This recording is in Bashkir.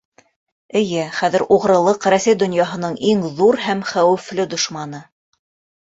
Эйе, хәҙер уғрылыҡ — Рәсәй донъяһының иң ҙур һәм хәүефле дошманы.